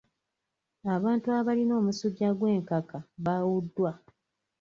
Abantu abalina omusujja gw'enkaka baawuddwa.